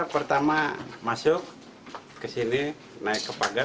pertama masuk ke sini naik ke pagar